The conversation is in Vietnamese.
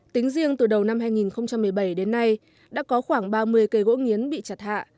tính riêng từ đầu năm hai nghìn một mươi bảy đến nay đã có khoảng ba mươi cây gỗ nghiến bị chặt hạ